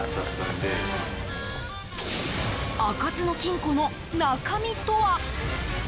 開かずの金庫の中身とは？